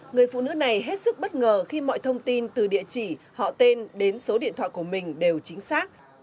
người phụ nữ này hết sức bất ngờ khi mọi thông tin từ địa chỉ họ tên đến số điện thoại của mình đều chính xác